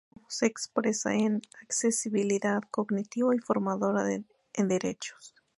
Cárcamo es experta en accesibilidad cognitiva y formadora en derechos.